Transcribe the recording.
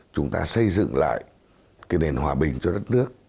chúng ta xây dựng lại cái nền hòa bình cho đất nước